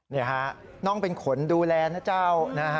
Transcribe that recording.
นี่ค่ะน้องเป็นคนดูแลนะเจ้า